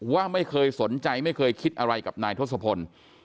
ว่าไม่เคยสนใจไม่เคยคิดอะไรกับนายทศพล